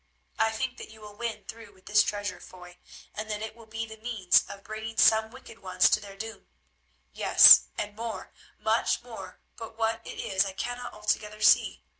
I think that you will win through with the treasure, Foy, and that it will be the means of bringing some wicked ones to their doom. Yes, and more, much more, but what it is I cannot altogether see.